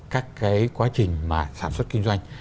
các cái quá trình mà sản xuất kinh doanh